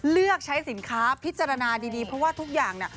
เลือกใช้สินค้าพิจารณาดีเพราะว่าทุกอย่างเนี่ย